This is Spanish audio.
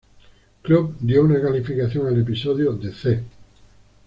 Club" dio una calificación al episodio de "C".